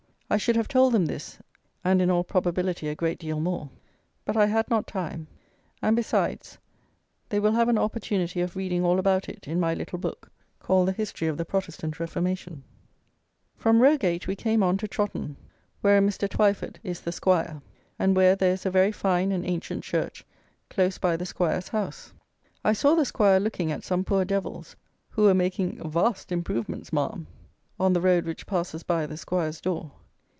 I should have told them this, and, in all probability a great deal more, but I had not time; and, besides, they will have an opportunity of reading all about it in my little book called the History of the Protestant Reformation. From Rogate we came on to Trotten, where a Mr. Twyford is the squire, and where there is a very fine and ancient church close by the squire's house. I saw the squire looking at some poor devils who were making "wauste improvements, ma'am," on the road which passes by the squire's door.